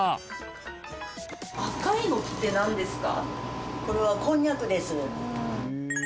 赤いのって何ですか？